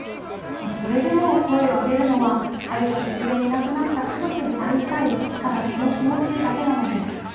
それでも声を上げるのは、ある日突然いなくなった家族に会いたい、ただその気持ちだけなのです。